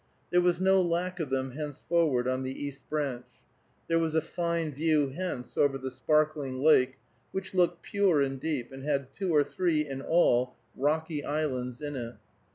There was no lack of them henceforward on the East Branch. There was a fine view hence over the sparkling lake, which looked pure and deep, and had two or three, in all, rocky islands in it.